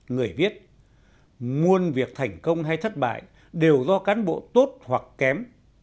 người viết muôn việc thành công hay thất bại đều do cán bộ tốt hoặc kém